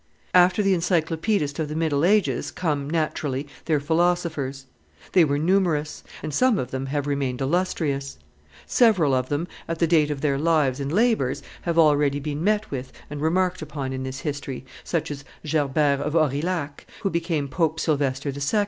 After the encyclopaedist of the middle ages come, naturally, their philosophers. They were numerous; and some of them have remained illustrious. Several of them, at the date of their lives and labors, have already been met with and remarked upon in this history, such as Gerbert of Aurillac, who became Pope Sylvester II., St.